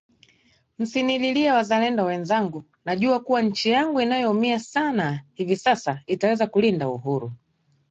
Msinililie wazalendo wenzangu najua kuwa nchi yangu inayoumia sana hivi sasa itaweza kulinda Uhuru